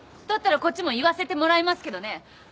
だったらこっちも言わせてもらいますけどね